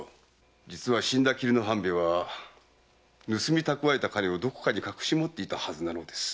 実は死んだ“霧の半兵衛”は盗み蓄えた金をどこかに隠し持っていたはずなのです。